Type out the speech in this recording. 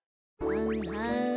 はんはん。